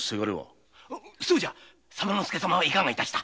そうじゃ左馬助様はいかがいたした？